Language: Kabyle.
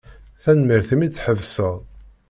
Tanemmirt imi d-tḥebseḍ.